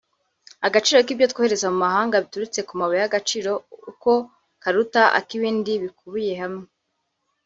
Agaciro k’ibyo twohereza mu mahanga biturutse ku mabuye y’agaciro ubu karuta ak’ibindi bikubiye hamwe